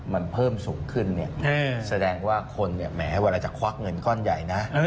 มันเพิ่มสูงขึ้นเนี่ยแสดงว่าคนเนี่ยแม้เวลาจะควักเงินก้อนใหญ่นะ